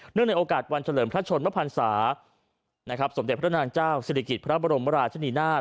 ในโอกาสวันเฉลิมพระชนมพันศานะครับสมเด็จพระนางเจ้าศิริกิจพระบรมราชนีนาฏ